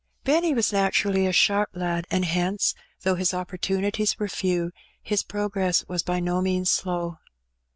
Benny was naturally a ^harp lad, and hence, though his opportunities were few, his progress was by no means slow.